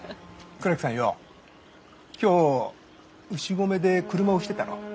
倉木さんよう今日牛込で車押してたろう？